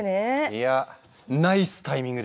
いやナイスタイミングですよ